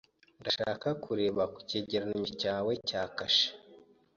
Ndashaka kureba ku cyegeranyo cyawe cya kashe.